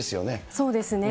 そうですね。